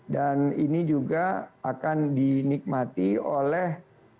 dan ini juga akan dinikmati oleh